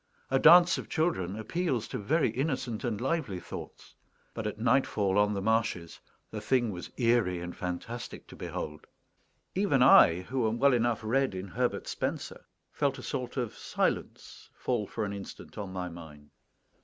A dance of children appeals to very innocent and lively thoughts; but, at nightfall on the marshes, the thing was eerie and fantastic to behold. Even I, who am well enough read in Herbert Spencer, felt a sort of silence fall for an instant on my mind.